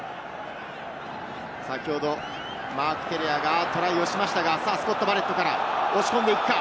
先ほどマーク・テレアがトライをしましたが、スコット・バレットから押し込んでいくか、